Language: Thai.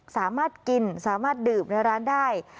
สามารถกินสามารถดื่มในร้านได้